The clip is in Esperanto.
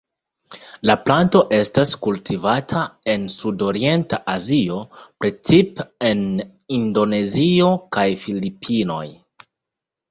La planto estas kultivata en sudorienta Azio, precipe en Indonezio kaj Filipinoj.